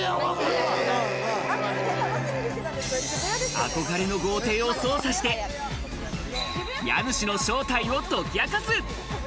憧れの豪邸を捜査して家主の正体を解き明かす。